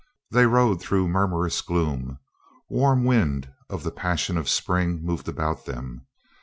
They rode through murmurous gloom. Warm wind of the passion of spring moved about them.